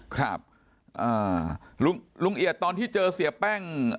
ครับลุงเอียดตอนที่เจอเสียแป้ง